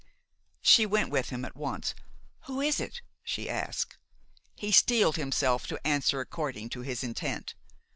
She went with him at once. "Who is it?" she asked. He steeled himself to answer according to his intent.